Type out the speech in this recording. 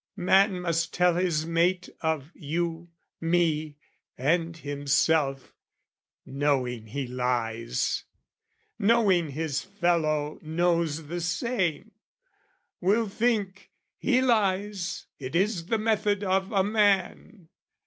Man must tell his mate Of you, me and himself, knowing he lies, Knowing his fellow knows the same, will think "He lies, it is the method of a man!"